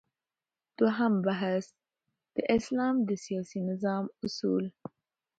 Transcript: دوهم مبحث : د اسلام د سیاسی نظام اصول